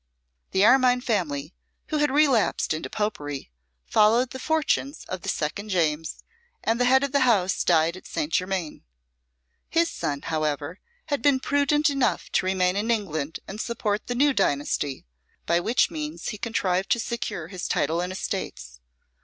The Armine family, who had relapsed into popery, followed the fortunes of the second James, and the head of the house died at St. Germain. His son, however, had been prudent enough to remain in England and support the new dynasty, by which means he contrived to secure his title and estates.